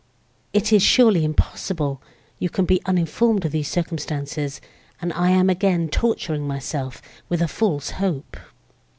It is surely impossible you can be uninformed of these circumstances, and I am again torturing myself with a false hope!"